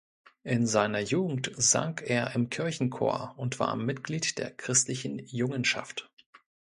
In seiner Jugend sang er im Kirchenchor und war Mitglied der "Christlichen Jungenschaft".